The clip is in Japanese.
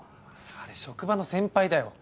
あれ職場の先輩だよ。